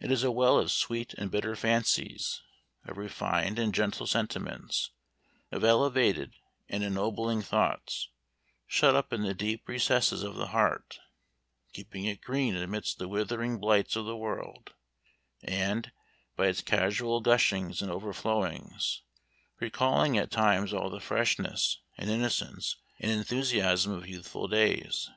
It is a well of sweet and bitter fancies; of refined and gentle sentiments; of elevated and ennobling thoughts; shut up in the deep recesses of the heart, keeping it green amidst the withering blights of the world, and, by its casual gushings and overflowings, recalling at times all the freshness, and innocence, and enthusiasm of youthful days.